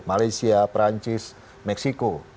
malaysia perancis meksiko